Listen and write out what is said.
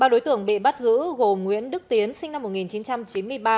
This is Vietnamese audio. ba đối tượng bị bắt giữ gồm nguyễn đức tiến sinh năm một nghìn chín trăm chín mươi ba